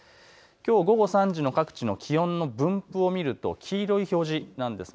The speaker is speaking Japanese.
きょう午後３時の気温の分布を見ると黄色い表示です。